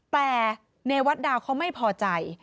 แต่ในวัดดาวเขาไม่พอใจ